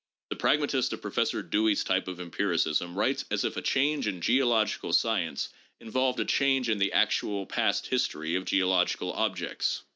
The pragmatist of Professor Dewey's type of empiricism writes as if a change in geological science involved a change in the actual past history of geological objects.